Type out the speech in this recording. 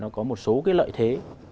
có một số cái lợi thế